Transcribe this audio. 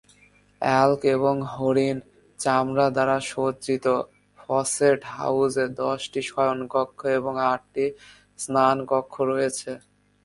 Elk এবং হরিণ চামড়া দ্বারা সজ্জিত, ফসেট হাউজে দশটি শয়নকক্ষ এবং আটটি স্নানকক্ষ রয়েছে।